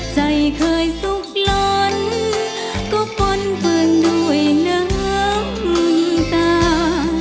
ใจเคยสุขหล่อนก็ปนเผือนด้วยน้ำตา